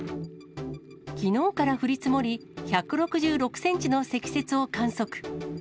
きのうから降り積もり、１６６センチの積雪を観測。